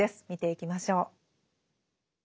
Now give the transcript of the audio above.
見ていきましょう。